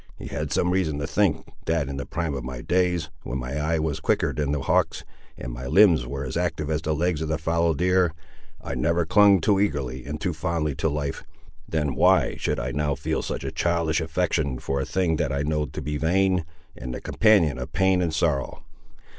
He had some reason to think that, in the prime of my days, when my eye was quicker than the hawk's, and my limbs were as active as the legs of the fallow deer, I never clung too eagerly and fondly to life: then why should I now feel such a childish affection for a thing that I know to be vain, and the companion of pain and sorrow.